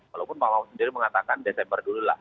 walaupun pak mahfud sendiri mengatakan desember dulu lah